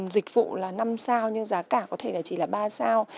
dịch vụ là năm sao nhưng giá cả có thể chỉ là ba sao